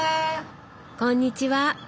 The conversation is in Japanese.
こんにちは。